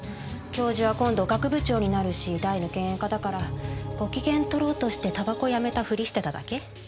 教授は今度学部長になるし大の嫌煙家だからご機嫌とろうとして煙草やめたふりしてただけ。